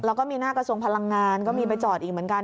แล้วก็มีหน้ากระทรวงพลังงานก็มีไปจอดอีกเหมือนกัน